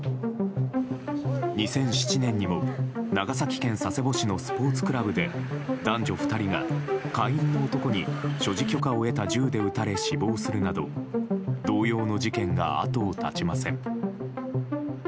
２００７年にも長崎県佐世保市のスポーツクラブで男女２人が会員の男に所持許可を得た銃で撃たれ死亡するなど同様の事件が後を絶ちません。